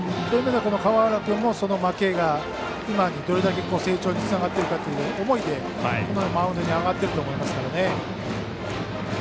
そういう意味では川原君もその負けが今にどれだけ成長につながっているかという思いで、マウンドに上がってると思いますからね。